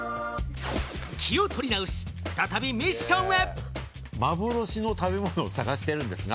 気を取り直し、再びミッションへ。